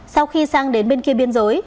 sau khi sang đến bên kia biên giới